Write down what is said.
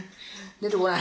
出てこない。